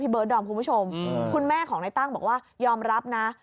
เบิร์ดดอมคุณผู้ชมคุณแม่ของนายตั้งบอกว่ายอมรับนะ